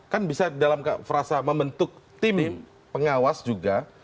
kan bisa dalam kata kata membentuk tim pengawas juga